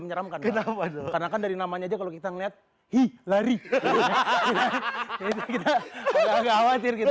menyeramkan karena kan dari namanya kalau kita lihat hi lari hahaha gak khawatir gitu